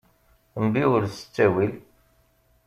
Mbiwel s ttawil.